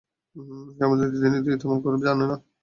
সে আমাদের রীতিনীতি তেমন জানে না।